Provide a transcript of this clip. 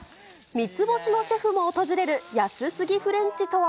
３つ星のシェフも訪れる安すぎフレンチとは？